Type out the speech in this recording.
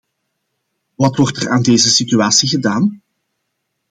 Wat wordt er aan deze situatie gedaan?